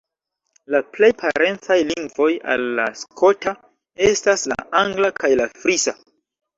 La plej parencaj lingvoj al la skota estas la angla kaj la frisa.